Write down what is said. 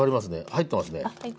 入ってますね。